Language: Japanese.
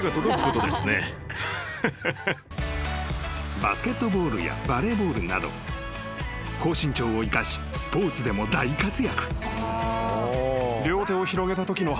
［バスケットボールやバレーボールなど高身長を生かしスポーツでも大活躍］